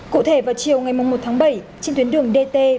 cụ thể vào chiều ngày một tháng bảy trên tuyến đường dt bốn trăm chín mươi bốn